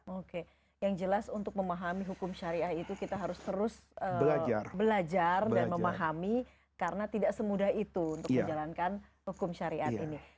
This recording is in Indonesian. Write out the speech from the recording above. oke yang jelas untuk memahami hukum syariah itu kita harus terus belajar dan memahami karena tidak semudah itu untuk menjalankan hukum syariat ini